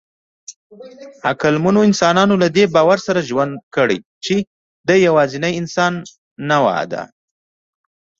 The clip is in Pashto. عقلمنو انسانانو له دې باور سره ژوند کړی، چې دی یواځینۍ انساني نوعه ده.